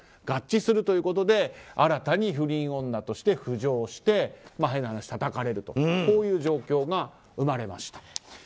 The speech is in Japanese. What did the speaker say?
合致するということで新たに不倫女として浮上して変な話たたかれるという状況が生まれました。